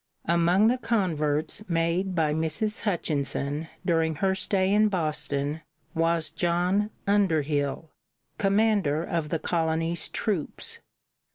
Among the converts made by Mrs. Hutchinson during her stay in Boston was John Underhill, commander of the colony's troops.